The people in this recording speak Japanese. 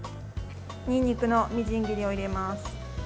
にんにくのみじん切りを入れます。